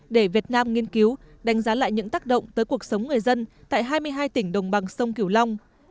để việt nam nghiên cứu đánh giá lại những tác động tới cuộc sống người dân tại hai mươi hai tỉnh đồng bằng sông kiểu long